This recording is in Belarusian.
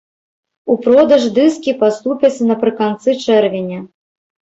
У продаж дыскі паступяць напрыканцы чэрвеня.